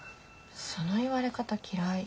その言われ方嫌い。